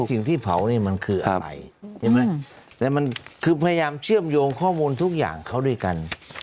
สิ่งที่เผาเนี่ยมันคืออะไรใช่ไหมแต่มันคือพยายามเชื่อมโยงข้อมูลทุกอย่างเขาด้วยกัน